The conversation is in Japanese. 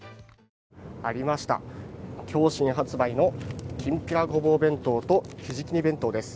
ありました、今日新発売のきんぴらごぼう弁当とひじき煮弁当です。